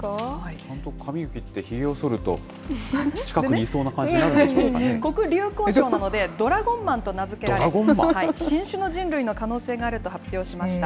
ちゃんと髪を切って、ひげをそると、近くにいそうな感じにな黒竜江省なので、ドラゴンマンと名付けられ、新種の人類の可能性があると発表しました。